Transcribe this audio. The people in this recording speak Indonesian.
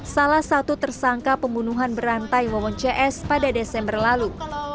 salah satu tersangka pembunuhan berantai wawon cs pada desember lalu